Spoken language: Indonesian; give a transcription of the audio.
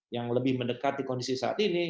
yang lebih mendekat di kondisi saat ini